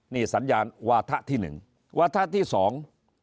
นี่สัญญาณวาถะที่หนึ่งวาถะที่สอง